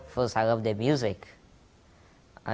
pertama saya suka musiknya